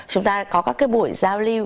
chúng ta có các buổi giao lưu